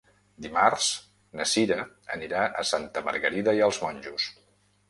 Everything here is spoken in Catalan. Dimarts na Cira anirà a Santa Margarida i els Monjos.